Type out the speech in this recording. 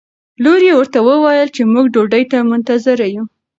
لور یې ورته وویل چې موږ ډوډۍ ته منتظره یو.